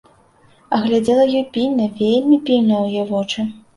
А глядзела ёй пільна, вельмі пільна, у яе вочы.